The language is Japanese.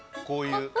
こういう。